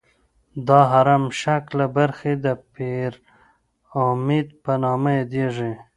دا هرم شکله برخې د پیرامید په نامه یادیږي.